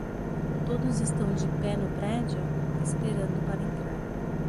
Todos estão de pé no prédio? esperando para entrar.